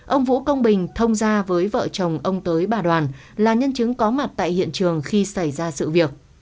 ông vũ công bình thông ra với vợ chồng ông tới bà đoàn là nhân chứng có mặt tại hiện trường khi xảy ra sự việc